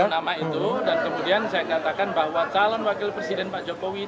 sepuluh nama itu dan kemudian saya katakan bahwa calon wakil presiden pak jokowi